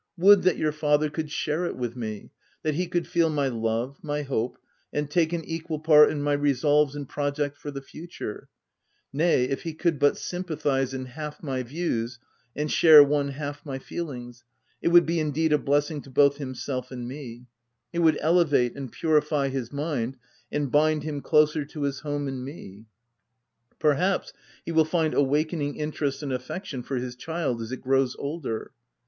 Would that your father could share it with me — that he could feel my love, my hope, and take an equal part in my resolves and projects for the future — nay, if he could but sympathize in half my views, and share one half my feelings, it would be indeed a blessing to both himself and me : it would elevate and purify his mind, and bind him closer to his home and me. Perhaps, he will feel awakening interest and affection for his child as it grows older.